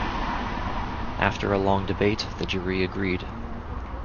After a long debate, the jury agreed.